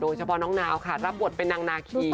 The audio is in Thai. โดยเฉพาะน้องนาวค่ะรับบทเป็นนางนาคี